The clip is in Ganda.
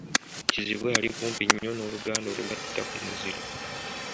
Kizibwe ali kumpi nnyo n'oluganda olugatta ku muziro.